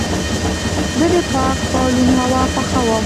زه د پاک بالون هوا خوښوم.